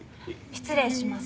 失礼します。